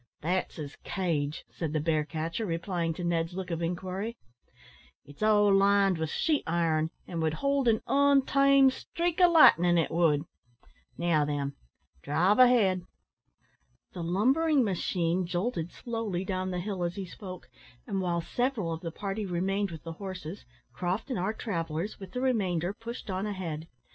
"That's his cage," said the bear catcher, replying to Ned's look of inquiry. "It's all lined with sheet iron, and would hold an ontamed streak o' lightnin', it would. Now, then, drive ahead." The lumbering machine jolted slowly down the hill as he spoke, and while several of the party remained with the horses, Croft and our travellers, with the remainder, pushed on ahead.